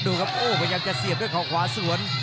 ดูครับพยายามจะเสียบด้วยข้องขวาสวน